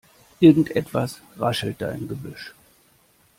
Irgendetwas raschelt da im Gebüsch.